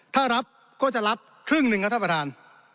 ถ้ารับก็จะรับครึ่งหนึ่งครับท่านประธาน